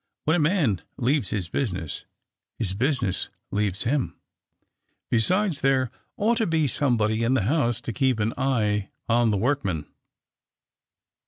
When a man leaves his business, his business leaves him. Besides, there ought to be somebody in the house to keep an eye on the workmen.